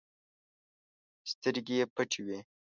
سترګې يې پټې وې.